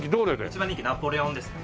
一番人気はナポレオンですね。